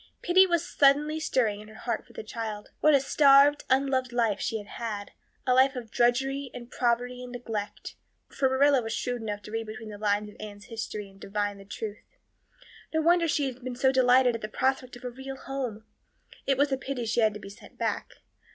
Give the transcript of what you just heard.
Pity was suddenly stirring in her heart for the child. What a starved, unloved life she had had a life of drudgery and poverty and neglect; for Marilla was shrewd enough to read between the lines of Anne's history and divine the truth. No wonder she had been so delighted at the prospect of a real home. It was a pity she had to be sent back.